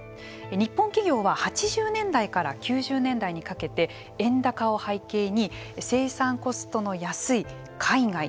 日本企業は８０年代から９０年代にかけて円高を背景に生産コストの安い海外